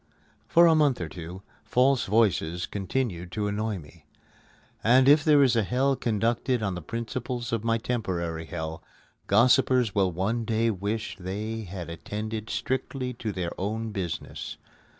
For a month or two, "false voices" continued to annoy me. And if there is a hell conducted on the principles of my temporary hell, gossippers will one day wish they had attended strictly to their own business.